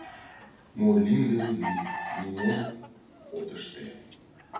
Мо лийын гын — лийын, нимом от ыште.